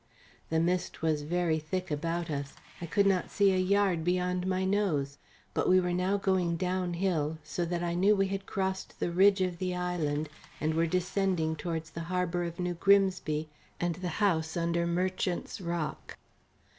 The mist was very thick about us I could not see a yard beyond my nose; but we were now going down hill, so that I knew we had crossed the ridge of the island and were descending towards the harbour of New Grimsby and the house under Merchant's Rock.